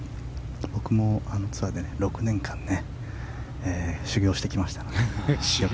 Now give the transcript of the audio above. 僕もあのツアーで６年間修業してきました。